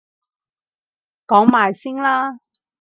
講埋先啦